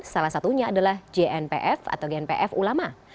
salah satunya adalah jnpf atau gnpf ulama